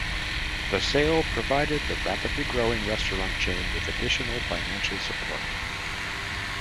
The sale provided the rapidly growing restaurant chain with additional financial support.